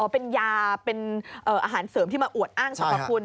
เป็นยาเป็นอาหารเสริมที่มาอวดอ้างสรรพคุณ